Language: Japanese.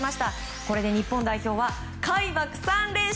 これで日本代表は開幕３連勝！